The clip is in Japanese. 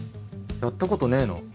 やったことねえの？